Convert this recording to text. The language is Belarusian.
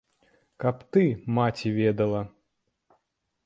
Каб ты, маці, ведала!